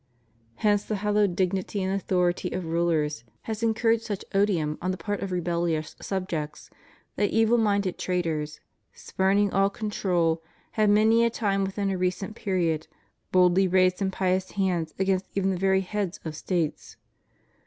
Hence the hallowed dignity and authority of rulers has incurred such odium on the part of rebellious subjects that evil minded traitors, spurning all control, have many a time within a recent period boldly raised impious hands against even the very heads of States.